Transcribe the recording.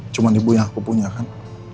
cuma ibu yang aku punya kan